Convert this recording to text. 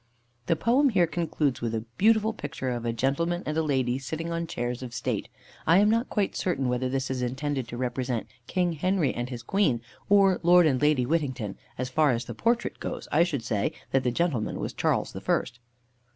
The poem here concludes with a beautiful picture of a gentleman and a lady sitting on chairs of state. I am not quite certain whether this is intended to represent King Henry and his Queen, or Lord and Lady Whittington; as far as the portrait goes, I should say that the gentleman was Charles the First.